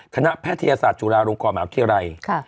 คณะแพทยศาสตร์จุฬารวงกรเหมือนอาทิรัย